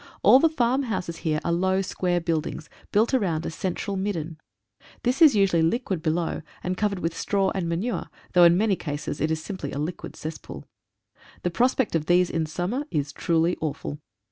All the farm houses here are low, square buildings, built round a central "midden." This is usually liquid below, and covered with straw and manure, though in many cases it is just simply a liquid cesspool. The prospect of these in summer is truly awful.